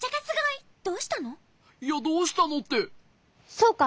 そうか。